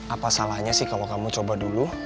apa salahnya sih kalau kamu coba dulu